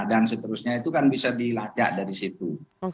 dan seterusnya itu kan bisa dilacak dari situ